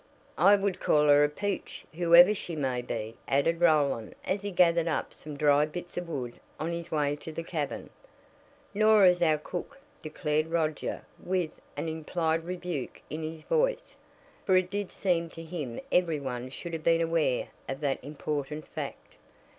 "I would call her a peach, whoever she may be," added Roland as he gathered up some dry bits of wood on his way to the cabin. "Norah's our cook," declared Roger with an implied rebuke in his voice, for it did seem to him every one should have been aware of that important fact.